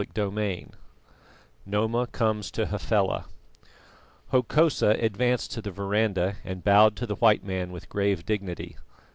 CHAPTER XV NOMA COMES TO HAFELA Hokosa advanced to the verandah and bowed to the white man with grave dignity.